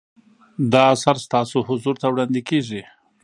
دا اثر ستاسو حضور ته وړاندې کیږي.